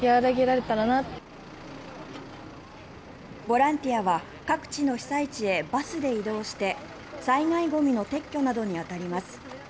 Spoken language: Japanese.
ボランティアは各地の被災地へバスで移動して災害ゴミの撤去などに当たります。